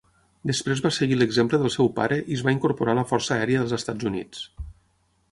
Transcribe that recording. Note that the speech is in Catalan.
Després va seguir l'exemple del seu pare i es va incorporar a la Força Aèria dels Estats Units.